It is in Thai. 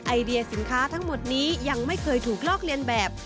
ไอเดียสินค้าทั้งหมดนี้ยังไม่เคยถูกลอกเลียนแบบ